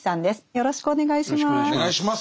よろしくお願いします。